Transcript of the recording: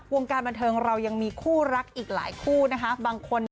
วงการบันเทิงเรายังมีคู่รักอีกหลายคู่นะคะบางคน